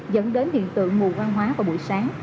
dẫn đến hiện tượng mùa hoang hóa vào buổi sáng